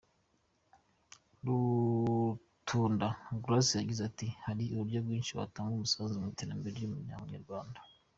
Rutunda Grace yagize ati “Hari uburyo bwinshi watanga umusanzu mu iterambere ry’umuryango Nyarwanda.